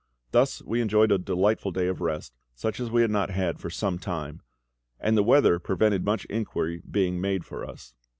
Thus we enjoyed a delightful day of rest, such as we had not had for some time; and the weather prevented much inquiry being made for us.